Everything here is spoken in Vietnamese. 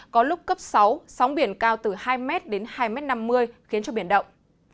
có lúc cấp sáu sóng biển cao từ hai m đến hai năm mươi khiến cho biển động